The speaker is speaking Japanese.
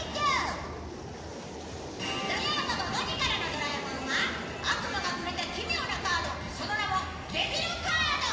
土曜午後５時からの『ドラえもん』は悪魔がくれた奇妙なカードその名もデビルカード